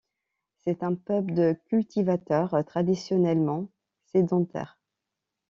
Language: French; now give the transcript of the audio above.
C'est un peuple de cultivateurs traditionnellement sédentaire.